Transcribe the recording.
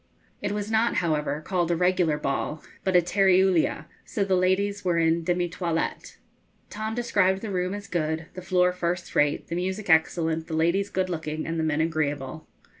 It was not, however, called a regular ball, but a teriulia, so the ladies were in demi toilette. Tom described the room as good, the floor first rate, the music excellent, the ladies good looking, and the men agreeable.